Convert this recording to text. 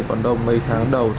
còn đầu mấy tháng đầu